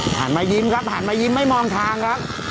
หันมายิ้มครับหันมายิ้มไม่มองทางครับ